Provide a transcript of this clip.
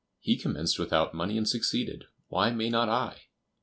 He commenced without money and succeeded; why may not I?